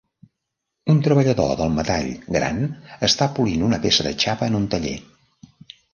Un treballador del metall gran està polint una peça de xapa en un taller.